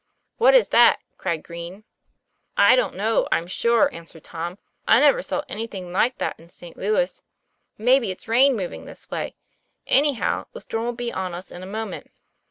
"What is that?" cried Green. "I don't know, I'm sure," answered Tom. "I never saw anything like that in St. Louis. Maybe it's rain moving this way. Anyhow, the storm' 11 be on us in a moment.